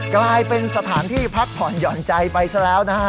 กลายเป็นสถานที่พักผ่อนหย่อนใจไปซะแล้วนะฮะ